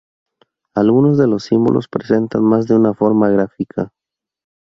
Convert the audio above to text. Algunos de los símbolos presentan más de una forma gráfica.